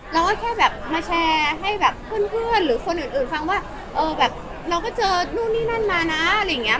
เราก็แค่แบบมาแชร์ให้แบบเพื่อนหรือคนอื่นฟังว่าเออแบบเราก็เจอนู่นนี่นั่นมานะอะไรอย่างนี้